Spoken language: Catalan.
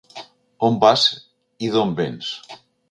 On vas i d’on véns?